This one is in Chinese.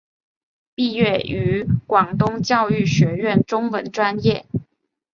毕业于广东教育学院中文专业。